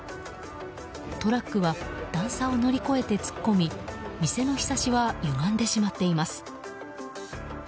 トラックは段差を乗り越えて突っ込み店のひさしはゆがんでしまっています。